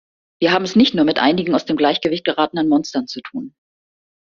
Wir haben es nicht nur mit einigen aus dem Gleichgewicht geratenen Monstern zu tun.